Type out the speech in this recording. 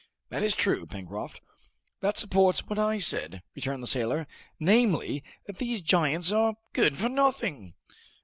"That is true, Pencroft." "That supports what I said," returned the sailor, "namely, that these giants are good for nothing!"